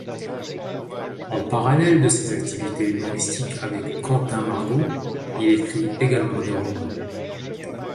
En parallèle de ses activités humoristiques avec Quentin Margot, il écrit également des romans.